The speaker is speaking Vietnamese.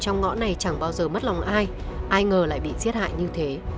trong ngõ này chẳng bao giờ mất lòng ai ai ngờ lại bị giết hại như thế